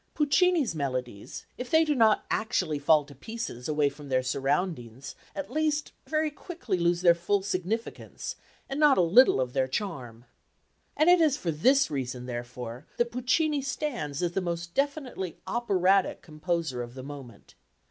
Puccini's melodies, if they do not actually fall to pieces away from their surroundings, at least very quickly lose their full significance, and not a little of their charm. And it is for this reason, therefore, that Puccini stands as the most definitely operatic composer of the moment.